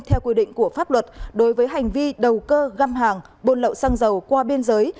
theo quy định của pháp luật đối với hành vi đầu cơ găm hàng buôn lậu xăng dầu qua biên giới